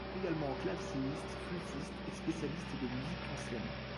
Il est également claveciniste, flûtiste et spécialiste de musique ancienne.